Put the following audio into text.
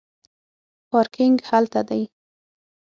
پارکینګ هلته دی